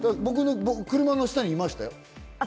僕、車の下にいましたよ。